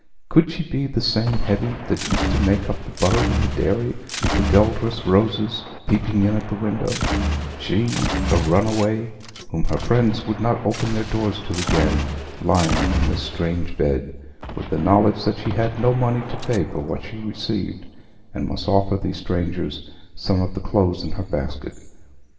Could she be the same Hetty that used to make up the butter in the dairy with the Guelder roses peeping in at the window—she, a runaway whom her friends would not open their doors to again, lying in this strange bed, with the knowledge that she had no money to pay for what she received, and must offer those strangers some of the clothes in her basket?